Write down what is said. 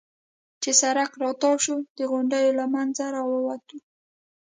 چې سړک را تاو شو، د غونډیو له منځه را ووتو.